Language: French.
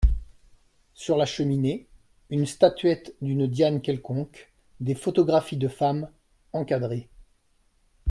Sur la cheminée, une statuette d’une Diane quelconque, des photographies de femmes, encadrées.